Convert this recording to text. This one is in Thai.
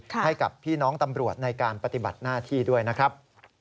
ให้กับพี่น้องตำรวจในการปฏิบัติหน้าที่ด้วยนะครับ